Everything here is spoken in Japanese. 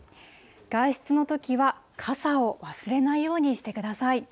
外出のときは傘を忘れないようにしてください。